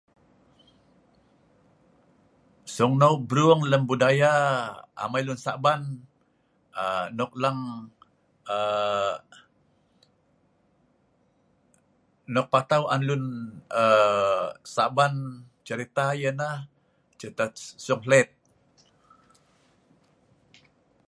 A famous story in our culture that everyone in it, that is always everyone's story, which is the sunghlet story